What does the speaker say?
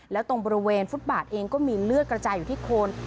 แล้วตรงบริเวณฟุตบาทเองก็มีเลือดกระจายอยู่ที่โคน